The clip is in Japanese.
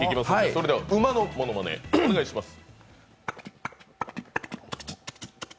それでは、馬のものまねお願いします。